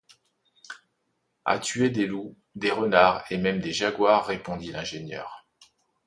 À tuer des loups, des renards, et même des jaguars, répondit l’ingénieur